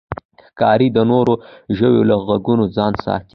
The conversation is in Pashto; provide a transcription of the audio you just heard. ښکاري د نورو ژویو له غږونو ځان ساتي.